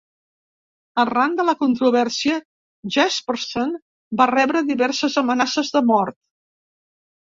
Arran de la controvèrsia, Jespersen va rebre diverses amenaces de mort.